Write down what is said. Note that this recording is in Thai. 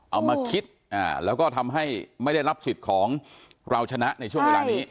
เอามาคิดแล้วก็ทำให้ไม่ได้รับสิทธิ์ของเราชนะในช่วงเวลานี้